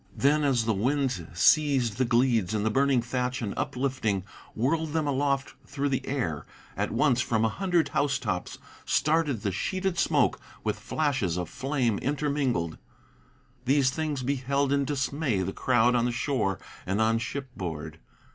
Then as the wind seized the gleeds and the burning thatch, and, uplifting, Whirled them aloft through the air, at once from a hundred house tops Started the sheeted smoke with flashes of flame intermingled. These things beheld in dismay the crowd on the shore and on shipboard.